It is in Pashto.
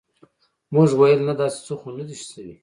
موږ ویل نه داسې څه خو نه دي شوي.